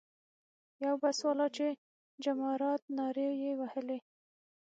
یو بس والا چې جمارات نارې یې وهلې.